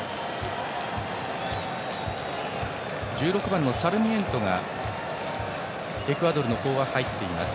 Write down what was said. １６番のサルミエントがエクアドルには入っています。